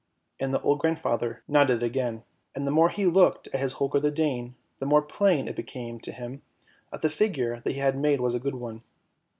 And the old grandfather nodded again, and the more he looked at his Holger the Dane, the more plain it became to him that the figure he had made was a good one.